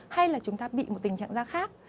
hay là chúng ta bị một tình trạng da khác